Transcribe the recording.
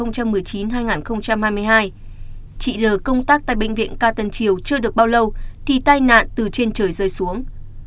chị r công tác tại bệnh viện ca tân triều chưa được bao lâu thì tai nạn từ trên trời rơi xuống